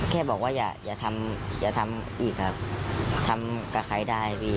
แค่บอกว่าอย่าทำอย่าทำอีกครับทำกับใครได้พี่